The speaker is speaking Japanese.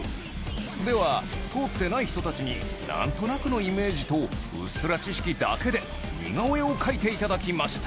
では通ってない人たちになんとなくのイメージとうっすら知識だけで似顔絵を描いて頂きました